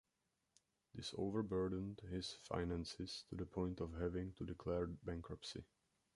This over burdened his finances to the point of having to declare bankruptcy.